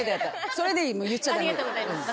それでいい言っちゃダメよ。